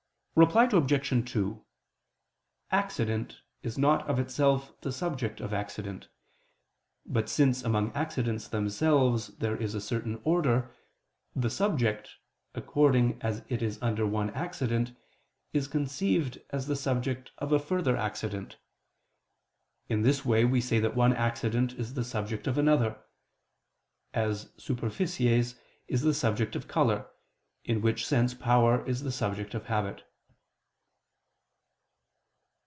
Reply Obj. 2: Accident is not of itself the subject of accident. But since among accidents themselves there is a certain order, the subject, according as it is under one accident, is conceived as the subject of a further accident. In this way we say that one accident is the subject of another; as superficies is the subject of color, in which sense power is the subject of habit.